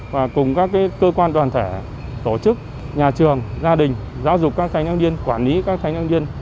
và cùng các cơ quan toàn thể tổ chức nhà trường gia đình giáo dục các thanh thiếu niên quản lý các thanh thiếu niên